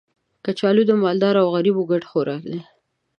کچالو د مالدارو او غریبو ګډ خوراک دی